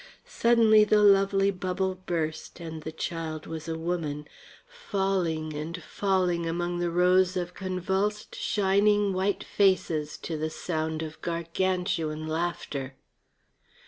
Suddenly the lovely bubble burst and the child was a woman, falling and falling among rows of convulsed, shining white faces to the sound of gargantuan laughter.